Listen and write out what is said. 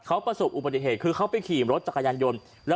เขาประสบอุบัติเหตุคือเขาไปขี่รถจักรยานยนต์